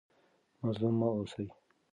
مظلوم مه اوسئ.